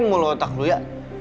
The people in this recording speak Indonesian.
mulut otak lo ya